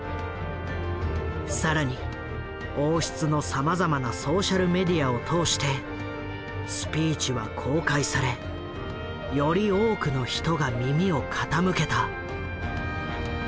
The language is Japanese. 更に王室のさまざまなソーシャルメディアを通してスピーチは公開されより多くの人が耳を傾けた。